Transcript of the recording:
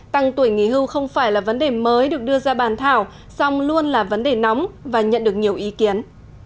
tăng tuổi nghỉ hưu không phải là vấn đề mới được đưa ra bàn thảo song luôn là vấn đề nóng và nhận được nhiều ý kiến